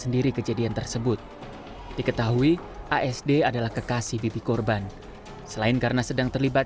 sendiri kejadian tersebut diketahui asd adalah kekasih bibi korban selain karena sedang terlibat